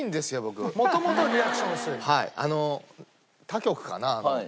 他局かな？